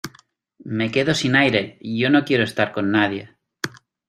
me quedo sin aire. yo no quiero estar con nadie